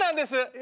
え！